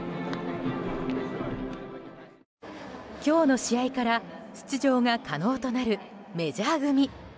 今日の試合から出場が可能となるメジャー組。